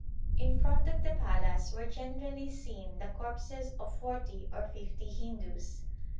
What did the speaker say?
In front of the palace were generally seen the corpses of forty or fifty Hindus.